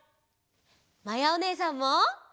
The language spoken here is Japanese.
まやおねえさんも！